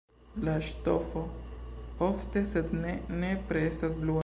La ŝtofo ofte, sed ne nepre estas blua.